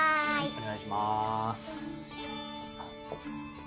お願いしまーす。